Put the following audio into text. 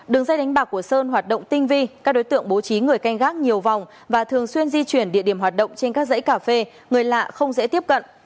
đường dây đánh bạc của sơn hoạt động tinh vi các đối tượng bố trí người canh gác nhiều vòng và thường xuyên di chuyển địa điểm hoạt động trên các dãy cà phê người lạ không dễ tiếp cận